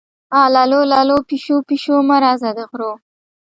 اللو للو، پیشو-پیشو مه راځه د غرو